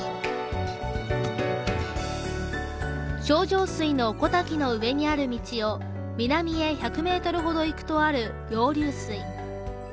清浄水の小滝の上にある道を南へ１００ｍほど行くとある楊柳水。